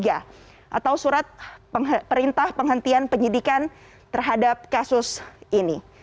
atau surat perintah penghentian penyidikan terhadap kasus ini